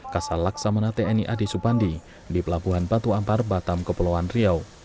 kasal laksamana tni ad supandi di pelabuhan batu ampar batam kepulauan riau